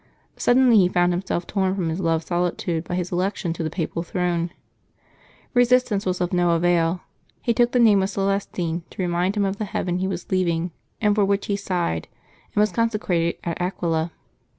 Suddenly he found himself torn from his loved solitude by his election to the Papal throne. Eesistance was of no avail. He took the name of Celestine, to remind him of the heaven he was leaving and for which he sighed, and was consecrated at Aquila.